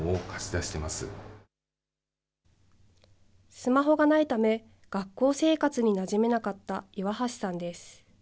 スマホがないため学校生活になじめなかった岩橋さんです。